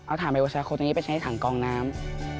เอาถ่านไบโอชาโคในนี้ไปใช้ในถ่านกองน้ำ